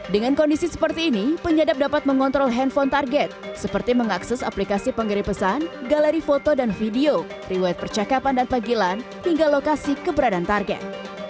dengan kondisi seperti ini penyadap dapat mengontrol handphone target seperti mengakses aplikasi pengiri pesan galeri foto dan video rewet percakapan dan panggilan hingga lokasi keberadaan target